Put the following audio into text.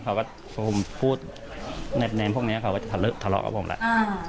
เขาก็พูดแนบพวกนี้เขาก็จะทะเละทะเลาะกับผมแหละ